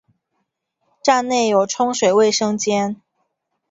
站内有冲水卫生间。